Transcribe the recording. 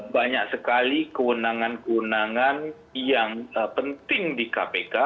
banyak sekali kewenangan kewenangan yang penting di kpk